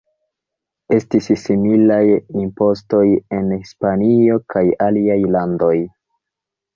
Estis similaj impostoj en Hispanio kaj aliaj landoj.